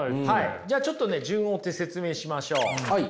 ちょっとね順を追って説明しましょう。